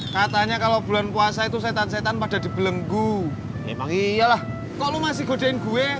katanya kalau bulan puasa itu setan setan pada dibelenggu memang iyalah kalau masih godain gue